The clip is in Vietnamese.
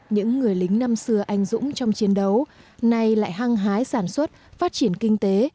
những người lính năm xưa anh dũng trong chiến đấu nay lại hăng hái sản xuất phát triển kinh tế